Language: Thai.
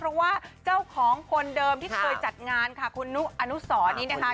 เพราะว่าเจ้าของคนเดิมที่เคยจัดงานค่ะคุณนุอนุสรนี้นะคะ